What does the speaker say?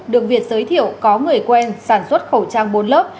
được việt giới thiệu có người quen sản xuất khẩu trang bốn lớp